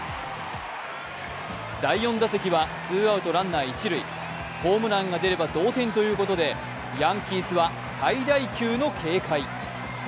第４打席はツーアウトランナー一塁ホームランが出れば同点ということで、ヤンキースは最大級の警戒。